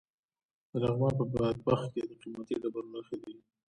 د لغمان په بادپخ کې د قیمتي ډبرو نښې دي.